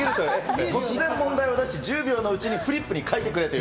突然問題を出して、１０秒のうちにフリップに書いてくれという。